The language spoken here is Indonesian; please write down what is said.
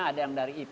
ada yang dari ipb